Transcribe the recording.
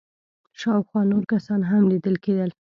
شاوخوا نور کسان هم ليدل کېدل.